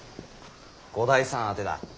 五代さん宛てだ。